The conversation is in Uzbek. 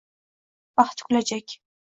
Baxti kulajak.